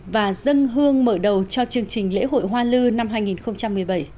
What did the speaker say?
và dân hương mở đầu cho chương trình lễ hội hoa lư năm hai nghìn một mươi bảy